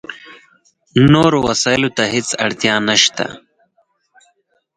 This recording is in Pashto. نورو وسایلو ته هېڅ اړتیا نشته.